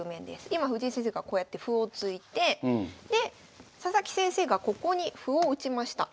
今藤井先生がこうやって歩を突いてで佐々木先生がここに歩を打ちました。